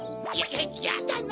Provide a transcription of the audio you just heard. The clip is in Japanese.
やだな！